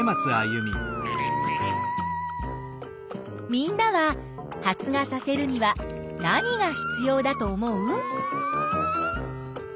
みんなは発芽させるには何が必要だと思う？